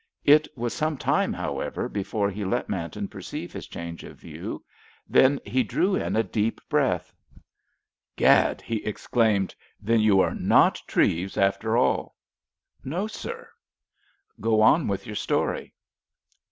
It was some time, however, before he let Manton perceive his change of view; then he drew in a deep breath. "Gad!" he exclaimed, "then you are not Treves after all!" "No, sir." "Go on with your story."